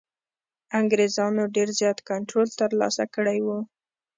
انګرېزانو ډېر زیات کنټرول ترلاسه کړی وو.